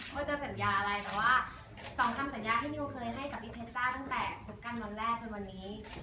ว่าจะสัญญาอะไรแต่ว่าสองคำสัญญาที่นิวเคยให้กับพี่เพชรจ้าตั้งแต่คบกันวันแรกจนวันนี้